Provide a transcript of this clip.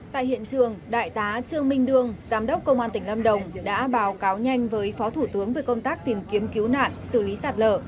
tại hiện trường đại tá trương minh đương giám đốc công an tỉnh lâm đồng đã báo cáo nhanh với phó thủ tướng về công tác tìm kiếm cứu nạn xử lý sạt lở